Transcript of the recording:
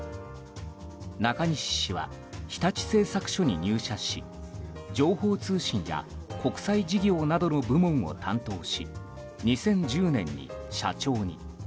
中西氏は日立製作所に入社し情報通信や国際事業などの部門を担当し２０１０年に社長に。